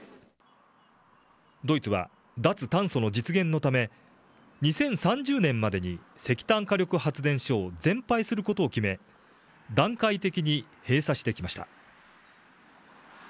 ドイツは脱炭素の実現のため２０３０年までに石炭火力発電所を全廃することを決め、段階的に閉鎖してきました。